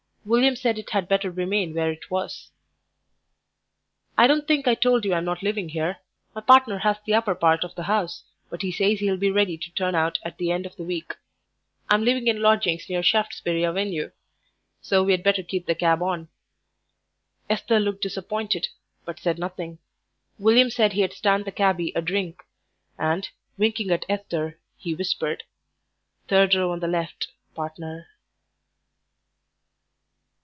William said it had better remain where it was. "I don't think I told you I'm not living here; my partner has the upper part of the house, but he says he'll be ready to turn out at the end of the week. I'm living in lodgings near Shaftesbury Avenue, so we'd better keep the cab on." Esther looked disappointed, but said nothing. William said he'd stand the cabby a drink, and, winking at Esther, he whispered, "Third row on the left, partner."